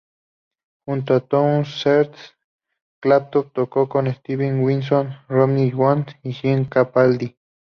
Junto con Townshend, Clapton tocó con Steve Winwood, Ronnie Wood y Jim Capaldi.